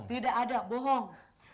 tidak ada bohong